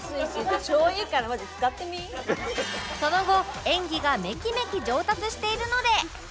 その後演技がメキメキ上達しているので